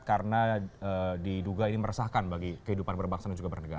karena diduga ini meresahkan bagi kehidupan berbangsa dan juga bernegara